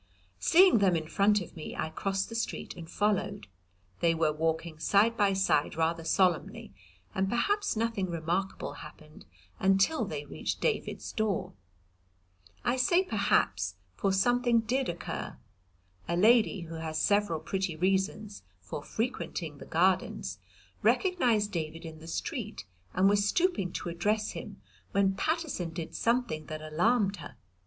Seeing them in front of me, I crossed the street and followed. They were walking side by side rather solemnly, and perhaps nothing remarkable happened until they reached David's door. I say perhaps, for something did occur. A lady, who has several pretty reasons for frequenting the Gardens, recognised David in the street, and was stooping to address him, when Paterson did something that alarmed her.